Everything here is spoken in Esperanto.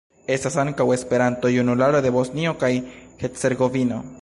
Estas ankaŭ Esperanto-Junularo de Bosnio kaj Hercegovino.